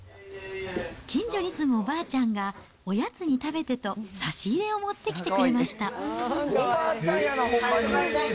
近所に住むおばあちゃんが、おやつに食べてと差し入れを持ってきてくれました。